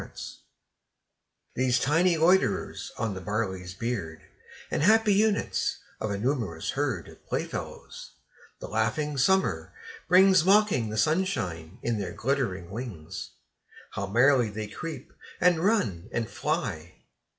Insects These tiny loiterers on the barley's beard, And happy units of a numerous herd Of playfellows, the laughing Summer brings, Mocking the sunshine in their glittering wings, How merrily they creep, and run, and fly!